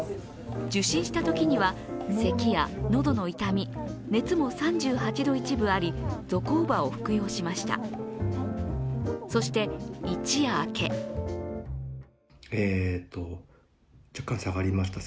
受診したときにはせきや喉の痛み、熱も３８度１分ありゾコーバを服用しました。